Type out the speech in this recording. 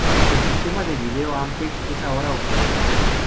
El sistema de vídeo de Ampex es ahora obsoleto.